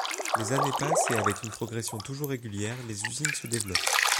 Les années passent et avec une progression toujours régulière, les usines se développent.